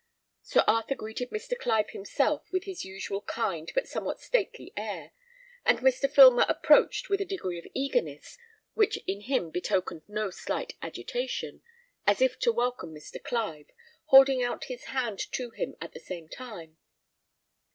Sir Arthur greeted Mr. Clive himself, with his usual kind, but somewhat stately air; and Mr. Filmer approached with a degree of eagerness which in him betokened no slight agitation, as if to welcome Mr. Clive, holding out his hand to him at the same time.